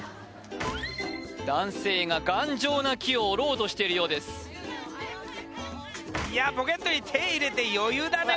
男性が頑丈な木を折ろうとしているようですいやポケットに手入れて余裕だね